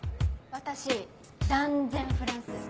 私断然フランス。